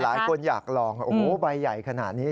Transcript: หลายคนอยากลองโอ้โหใบใหญ่ขนาดนี้